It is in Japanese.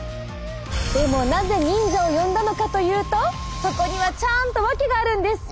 でもなぜ忍者を呼んだのかというとそこにはちゃんとワケがあるんです！